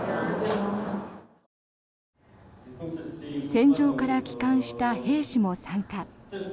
戦場から帰還した兵士も参加。